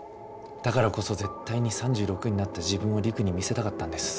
だからこそ絶対に３６になった自分を璃久に見せたかったんです。